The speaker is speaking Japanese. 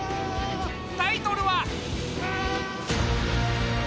タイトルは。